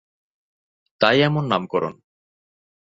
তাই এমন নামকরণ।